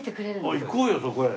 行こうよそこへ！